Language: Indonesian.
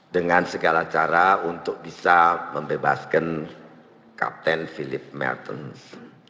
dengan segala cara untuk bisa membebaskan kapten philip mertens